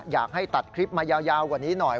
อยากให้ตัดคลิปมายาวกว่านี้หน่อย